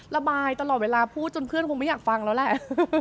ระบายตลอดเวลาพูดจนเพื่อนคงไม่อยากฟังแล้วแหละ